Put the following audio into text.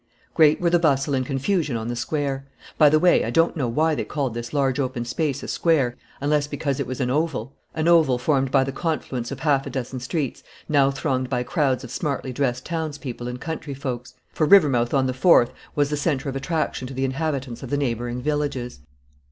Great were the bustle and confusion on the Square. By the way, I don't know why they called this large open space a square, unless because it was an oval an oval formed by the confluence of half a dozen streets, now thronged by crowds of smartly dressed towns people and country folks; for Rivermouth on the Fourth was the centre of attraction to the inhabitants of the neighboring villages.